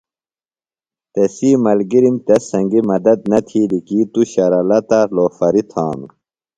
تسی ملگِرم تس سنگی مدت نہ تِھیلیۡ کی توۡ شرلہ تہ لوفری تھانوۡ۔